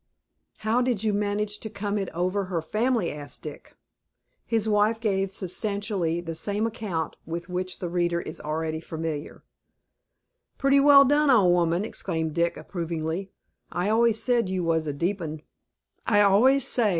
"How did you manage to come it over her family?" asked Dick. His wife, gave substantially, the same account with which the reader is already familiar. "Pretty well done, old woman!" exclaimed Dick, approvingly. "I always said you was a deep 'un.